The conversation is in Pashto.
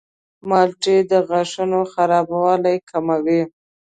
مالټې د غاښونو خرابوالی کموي.